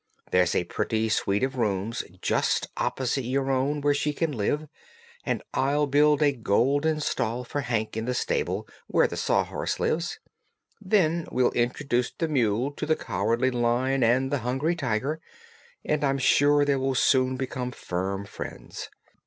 There's a pretty suite of rooms just opposite your own where she can live, and I'll build a golden stall for Hank in the stable where the Sawhorse lives. Then we'll introduce the mule to the Cowardly Lion and the Hungry Tiger, and I'm sure they will soon become firm friends.